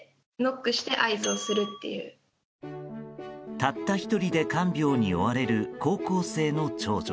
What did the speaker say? たった１人で看病に追われる高校生の長女。